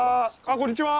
あこんにちは。